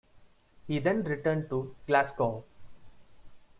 He then returned to Glasgow.